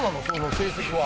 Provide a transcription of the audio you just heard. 成績は。